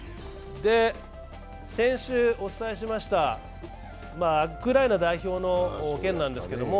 先週お伝えしました、ウクライナ代表の件なんですけれども、